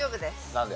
なんで？